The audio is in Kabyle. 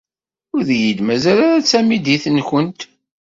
Ur iyi-d-mazal ara d tamidit-nwent.